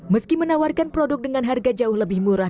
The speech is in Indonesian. meski menawarkan produk dengan harga jauh lebih murah